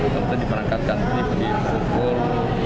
dan diberangkatkan di pukul dua puluh satu lima belas